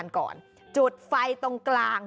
ล็อมไฟตรงกลาง